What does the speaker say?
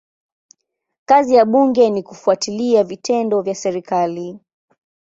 Kazi ya bunge ni kufuatilia vitendo vya serikali.